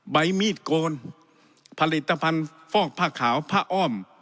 ใบมีดโกนผลิตภัณฑ์ฟอกผ้าขาวผ้าอ้อม